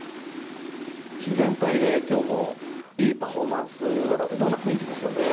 自然体で今日もいいパフォーマンスが出せそうな雰囲気ですよね。